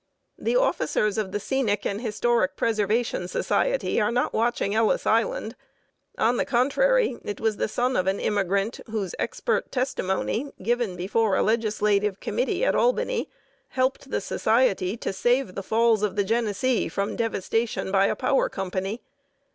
The officers of the Scenic and Historic Preservation Society are not watching Ellis Island. On the contrary, it was the son of an immigrant whose expert testimony, given before a legislative committee at Albany, helped the Society to save the Falls of the Genesee from devastation by a power company.